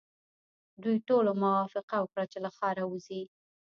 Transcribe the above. دوی ټولو موافقه وکړه چې له ښاره وځي.